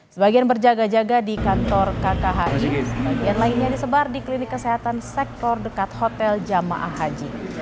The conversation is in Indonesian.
sebagian berjaga jaga di kantor kkhi sebagian lainnya disebar di klinik kesehatan sektor dekat hotel jamaah haji